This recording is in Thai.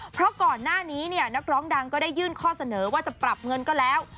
เพราะก่อนหน้านี้เนี่ยนักร้องดังก็ได้ยื่นข้อเสนอว่าจะปรับเงินก็แล้ว